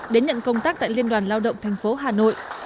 đến nhận công tác tại liên đoàn lao động tp hà nội